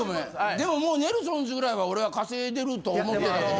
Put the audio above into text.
でももうネルソンズぐらいは俺は稼いでると思ってたけど。